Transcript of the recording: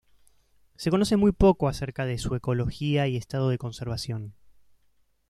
Se conoce muy poco acerca de su ecología y estado de conservación.